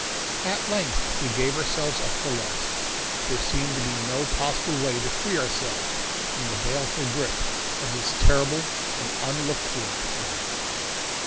At length we gave ourselves up for lost. There seemed to be no possible way to free ourselves from the baleful grip of this terrible and unlooked for enemy.